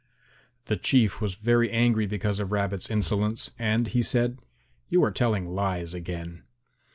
The Chief was very angry because of Rabbit's insolence, and he said, "You are telling lies again."